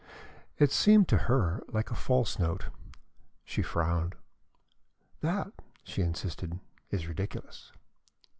It seemed to her like a false note. She frowned. "That," she insisted, "is ridiculous."